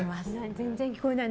全然聞こえない？